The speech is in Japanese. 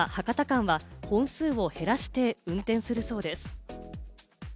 岡山−博多間は本数を減らして運転するそうです。